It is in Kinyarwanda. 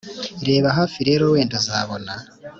reba hafi rero wenda uzabona